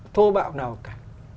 thô bạo nào cả